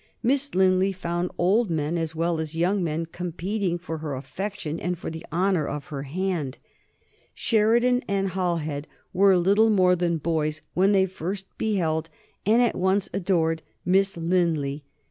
Miss Linley found old men as well as young men competing for her affection and for the honor of her hand. Sheridan and Halhed were little more than boys when they first beheld and at once adored Miss Linley.